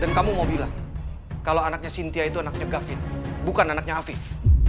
dan kamu mau bilang kalau anaknya sinti itu anaknya gafit bukan anaknya afif